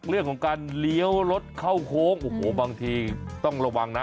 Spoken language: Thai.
เรื่องของการเลี้ยวรถเข้าโค้งโอ้โหบางทีต้องระวังนะ